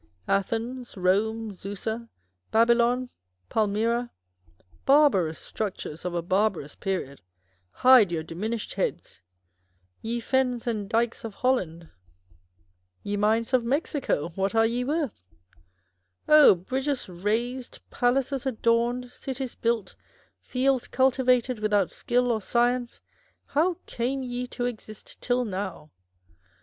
Athens, Eome, Susa, Babylon, Palmyra â€" barbarous structures of a barbarous period â€" hide your diminished heads ! Ye fens and dykes of Holland, ye mines of s 2 1260 Th j New /School of Reform. Mexico, what are ye worth ! Oh ! bridges raised, palaces adorned, cities built, fields cultivated without skill or science, how came ye to exist till now